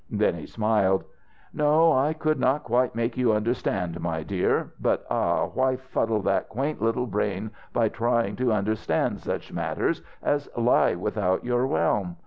Then he smiled. "No, I could not quite make you understand, my dear. But, ah, why fuddle that quaint little brain by trying to understand such matters as lie without your realm?